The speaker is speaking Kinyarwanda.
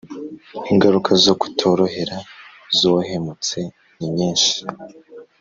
. Ingaruka zo kutorohera zuwahemutse ni nyinshi